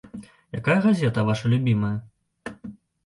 Якая газета ваша любімая?